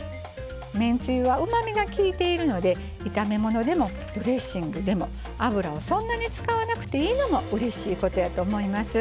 めんつゆはうまみがきいているので炒め物でもドレッシングでも油をそんなに使わなくていいのもうれしいことやと思います。